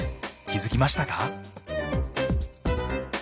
気付きましたか？